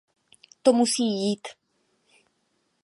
To musí jít.